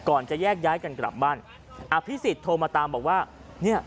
จะแยกย้ายกันกลับบ้านอภิษฎโทรมาตามบอกว่าเนี่ย